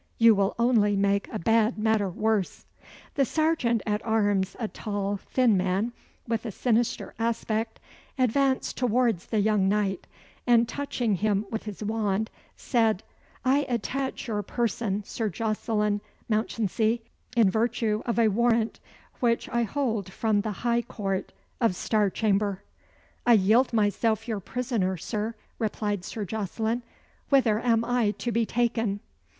"You will only make a bad matter worse." The serjeant at arms, a tall, thin man, with a sinister aspect, advanced towards the young knight, and touching him with his wand, said "I attach your person, Sir Jocelyn Mounchensey, in virtue of a warrant, which I hold from the High Court of Star Chamber." "I yield myself your prisoner, Sir," replied Sir Jocelyn. "Whither am I to be taken?"